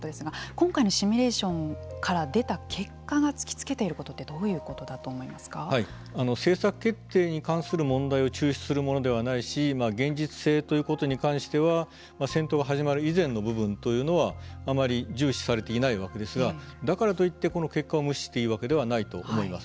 今回のシミュレーションから出た結果が突きつけていることって政策決定に関する問題を抽出するものではないし現実性ということに関しては戦闘が始まる以前の部分というのはあまり重視されていないわけですがだからといってこの結果を無視していいわけではないと思います。